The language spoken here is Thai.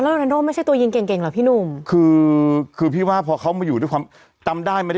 กลับมาใหม่พี่กับว่าไม่อยู่ที่ไหน